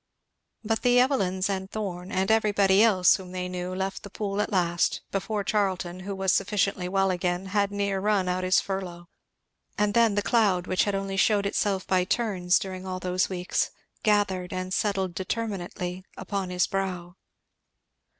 But the Evelyns and Thorn and everybody else whom they knew left the Pool at last, before Charlton, who was sufficiently well again, had near run out his furlough; and then the cloud which had only shewed itself by turns during all those weeks gathered and settled determinately upon his brow.